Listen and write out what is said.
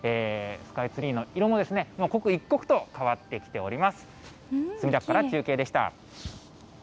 スカイツリーの色も、刻一刻と変わってきております。